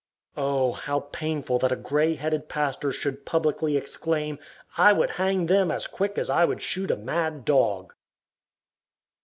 Oh! how painful that a gray headed pastor should publicly exclaim, "_I would hang them as quick as I would shoot a mad dog!